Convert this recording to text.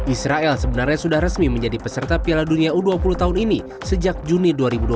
israel sebenarnya sudah resmi menjadi peserta piala dunia u dua puluh tahun ini sejak juni dua ribu dua puluh